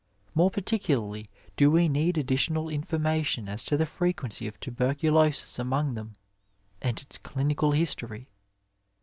More particularly do we need additional information as to the frequency of tubercu losis among them, and its clinical history.